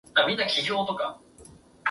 成田スカイアクセス線